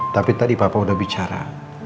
tapi tadi papa udah bicara